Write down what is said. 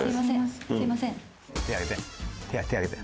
手上げて手上げて。